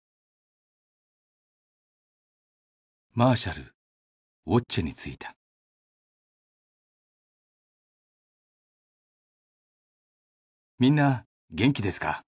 「マーシャルウォッチェに着いた」「みんな元気ですか」